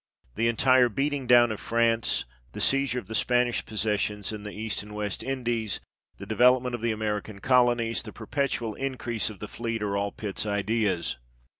The entire beating down of France, the seizure of the Spanish possessions in the East and West Indies, the development of the American colonies, the perpetual increase of the fleet, are all Pitt's ideas.